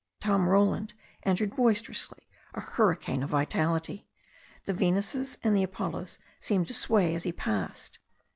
Tom Roland entered boisterously, a hurricane of vitality. The Venuses and the ApoUos seemed to sway as he passed.